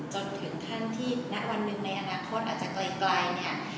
จนถึงขั้นที่ณวันหนึ่งในอนาคตอาจจะไกลเนี่ย